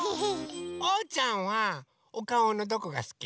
おうちゃんはおかおのどこがすき？